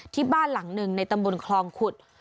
ที่บ้านหลังหนึ่งในตำบลคลองขุด